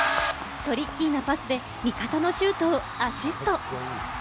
トリッキーなパスで味方のシュートをアシスト。